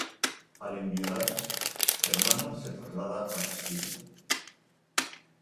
Al enviudar, Germana se traslada a Castilla.